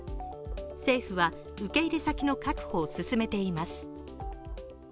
政府は、受け入れ先の確保を進めています。